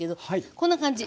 こんな感じ。